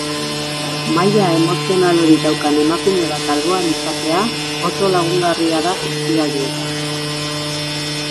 Maila emozional hori daukan emakume bat alboan izatea oso lagungarria da krisialdietan.